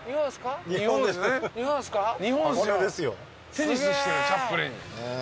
テニスしてるチャップリン。